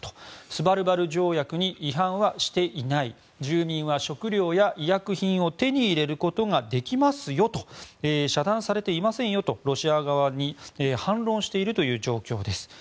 スバルバル条約に違反はしていない住民は食料や医薬品を手に入れることができますよと遮断されていませんよとロシア側に反論している状況です。